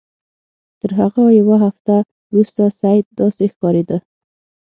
تر هغه یوه هفته وروسته سید داسې ښکارېده.